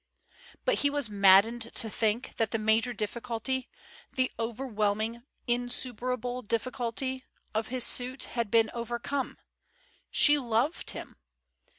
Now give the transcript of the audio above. But he was maddened to think that the major difficulty—the overwhelming, insuperable difficulty—of his suit had been overcome. She loved him!